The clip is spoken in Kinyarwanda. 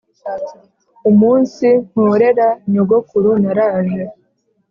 umunsi mporera nyogokuru naraje